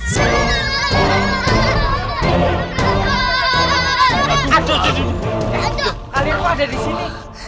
kalian apa ada disini